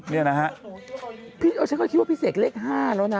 ฉันก็คิดว่าพี่เสกเล็ก๕แล้วนะ